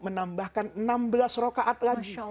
menambahkan enam belas rokaat lagi